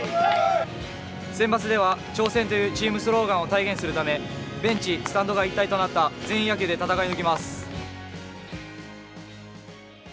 センバツでは「頂戦」というチームスローガンを体現するためベンチ、スタンドが一体となった全員野球で戦い抜きます。